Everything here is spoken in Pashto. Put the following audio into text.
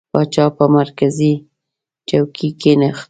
پاچا به پر مرکزي چوکۍ کښېنست.